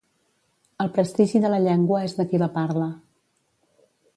El prestigi de la llengua és de qui la parla.